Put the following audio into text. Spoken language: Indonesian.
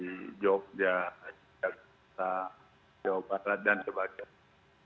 di jogja jogja barat dan sebagainya